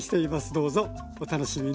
どうぞお楽しみに。